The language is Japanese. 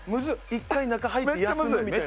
１回中入って休むみたいな。